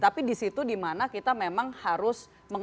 tapi disitu dimana kita memang harus